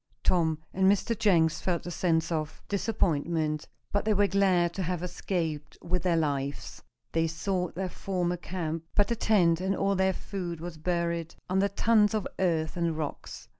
Tom and Mr. Jenks felt a sense of disappointment, but they were glad to have escaped with their lives. They sought their former camp, but the tent and all their food was buried under tons of earth and rocks.